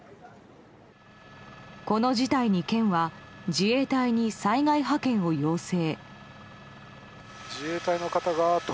この事態に県は自衛隊に災害派遣を要請。